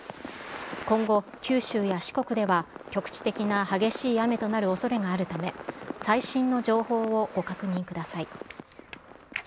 今後、九州や四国では、局地的な激しい雨となるおそれがあるため、最新の情報をご確認ください。